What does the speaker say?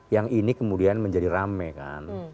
yang ini kemudian menjadi rame kan